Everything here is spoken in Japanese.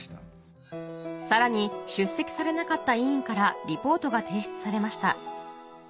さらに出席されなかった委員からリポートが提出されました